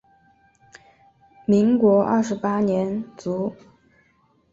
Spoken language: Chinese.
民国二十八年卒。